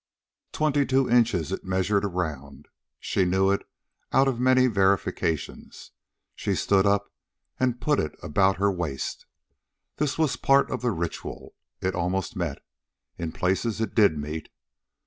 Twenty two inches it measured around. She knew it out of many verifications. She stood up and put it about her waist. This was part of the ritual. It almost met. In places it did meet.